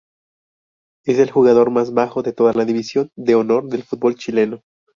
Es el jugador más bajo de toda la división de honor del fútbol chileno.